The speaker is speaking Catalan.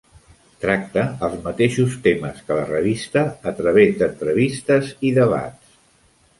Tracte els mateixos temes que la revista, a través d'entrevistes i debats.